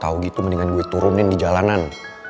tahu gitu mendingan gue turunin di jalanan